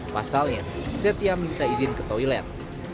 pasalnya setia minta izin ke toilet